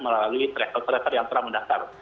melalui trekor trekor yang telah mendatang